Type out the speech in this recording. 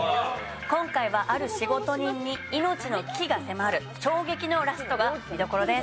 今回はある仕事人に命の危機が迫る衝撃のラストが見どころです。